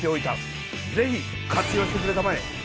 ぜひ活用してくれたまえ。